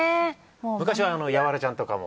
昔はヤワラちゃんとかも。